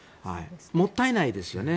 もったいないですよね。